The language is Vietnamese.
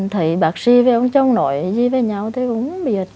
thấy bác sĩ với ông chồng nói gì với nhau thì cũng không biết